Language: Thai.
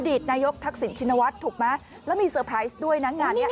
ตนายกทักษิณชินวัฒน์ถูกไหมแล้วมีเซอร์ไพรส์ด้วยนะงานนี้